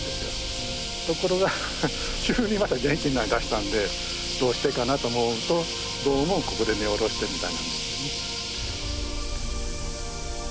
ところが急にまた元気になりだしたんでどうしてかなと思うとどうもここで根を下ろしてるみたいなんですよね。